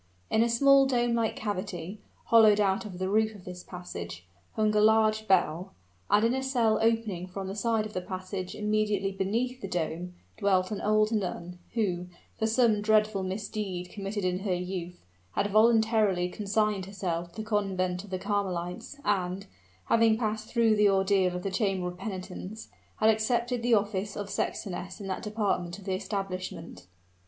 In a small dome like cavity, hollowed out of the roof of this passage, hung a large bell; and in a cell opening from the side of the passage immediately beneath the dome, dwelt an old nun, who, for some dreadful misdeed committed in her youth, had voluntarily consigned herself to the convent of the Carmelites, and, having passed through the ordeal of the chamber of penitence, had accepted the office of sextoness in that department of the establishment.